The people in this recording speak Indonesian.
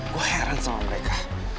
gue heran sama mereka